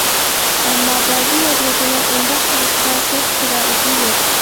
ئەمما، بەزى يازغۇچىنىڭ ئۇنداق قىلىشقا شەرت-شارائىتى يوق.